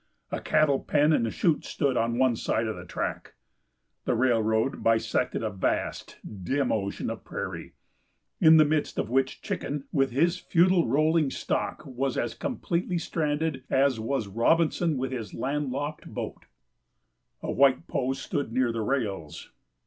A cattle pen and chute stood on one side of the track. The railroad bisected a vast, dim ocean of prairie, in the midst of which Chicken, with his futile rolling stock, was as completely stranded as was Robinson with his land locked boat. A white post stood near the rails.